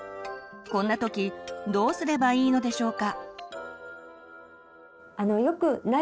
こんな時どうすればいいのでしょうか。